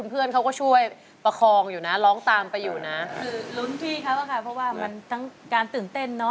เออจริง